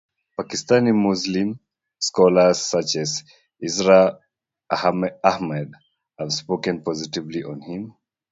Pakistani Muslim scholars such as Israr Ahmed have spoken positively on him.